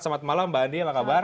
selamat malam mbak andi apa kabar